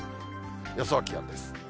予想気温です。